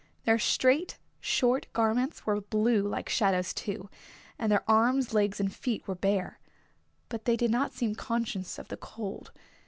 Their straight short garments were blue like shadows, too, and their arms, legs and feet were bare. But they did not seem conscious of the cold.